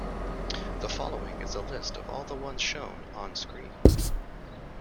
The following is a list of all the ones shown on-screen.